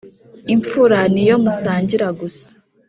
Impfura ni iyo musangira gusa